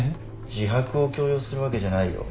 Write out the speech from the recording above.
自白を強要するわけじゃないよ。